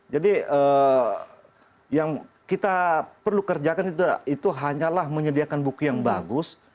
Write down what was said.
jadi yang kita perlu kerjakan itu hanyalah menyediakan buku yang bagus